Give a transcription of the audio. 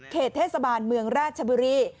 เหตุเทศบาลเมืองราชบุรี